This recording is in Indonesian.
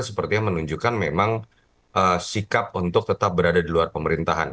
sepertinya menunjukkan memang sikap untuk tetap berada di luar pemerintahan